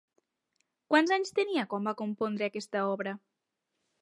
Quants anys tenia quan va compondre aquesta obra?